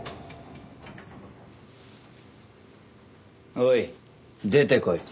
おい出てこい。